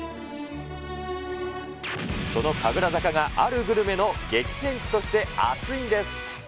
その神楽坂があるグルメの激戦区として熱いんです。